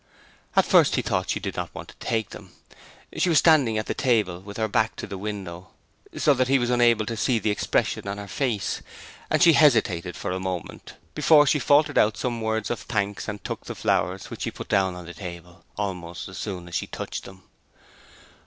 At first he thought she did not want to take them. She was standing at the table with her back to the window, so that he was unable to see the expression of her face, and she hesitated for a moment before she faltered out some words of thanks and took the flowers, which she put down on the table almost as soon as she touched them.